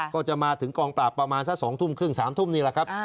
ก็จะมาถึงกองปราบประมาณสัก๒ทุ่มครึ่ง๓ทุ่มนี่แหละครับ